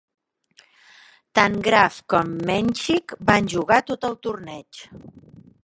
Tant Graf com Menchik van jugar tot el torneig.